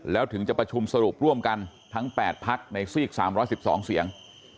แล้วถึงจะประชุมสรุปร่วมกันทั้ง๘พักในซีก๓๑๒เสียง